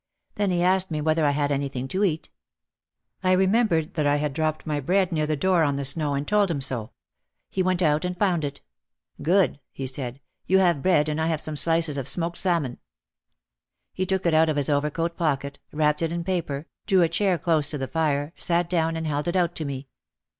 Then he asked me whether I had anything to eat. I remembered that I had dropped my bread near the door on the snow and told him so. He went out and found it. "Good!" he said, "you have bread and I have some slices of smoked sal mon." He took it out of his overcoat pocket, wrapped in a paper, drew a chair close to the fire, sat down and held it out to me.